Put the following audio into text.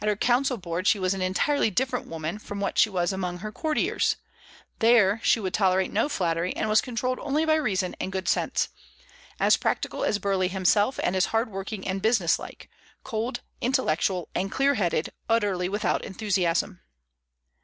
At her council board she was an entirely different woman from what she was among her courtiers: there she would tolerate no flattery, and was controlled only by reason and good sense, as practical as Burleigh himself, and as hard working and business like; cold, intellectual, and clear headed, utterly without enthusiasm.